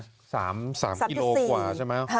๓กิโลกว่าใช่ไหม